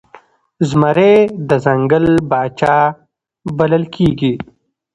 زمری د ځنګل پاچا بلل کیږي